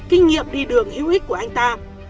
kinh nghiệm đi đường hữu ích của anh ta